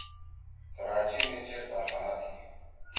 کراچی می چیر کارخانہ تھی۔